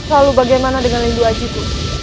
lalu bagaimana dengan lindu aji pun